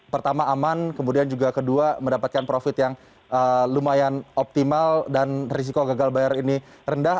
pertama aman kemudian juga kedua mendapatkan profit yang lumayan optimal dan risiko gagal bayar ini rendah